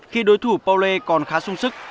khi đối thủ paulé còn khá sung sức